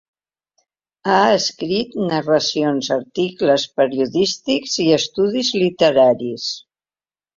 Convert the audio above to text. Ha escrit narracions, articles periodístics i estudis literaris.